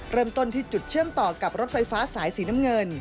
เริ่มต้นที่จุดเชื่อมต่อกับรถไฟฟ้าสายสีน้ำเงิน